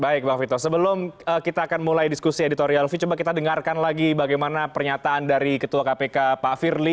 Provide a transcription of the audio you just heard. baik bang vito sebelum kita akan mulai diskusi editorial view coba kita dengarkan lagi bagaimana pernyataan dari ketua kpk pak firly